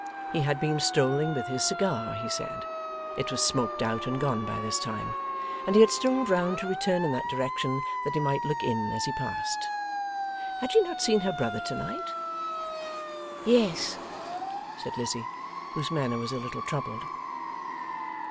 He had been strolling with his cigar, he said, (it was smoked out and gone by this time,) and he had strolled round to return in that direction that he might look in as he passed. Had she not seen her brother to night? 'Yes,' said Lizzie, whose manner was a little troubled.